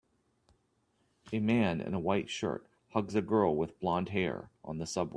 A man in a white shirt hugs a girl with blondhair on the subway.